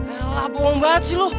elah bohong banget sih lo